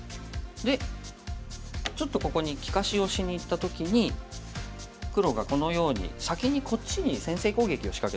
でちょっとここに利かしをしにいった時に黒がこのように先にこっちに先制攻撃を仕掛けてきたと。